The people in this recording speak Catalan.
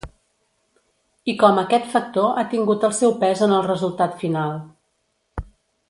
I com aquest factor ha tingut el seu pes en el resultat final.